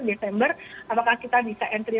desember apakah kita bisa entry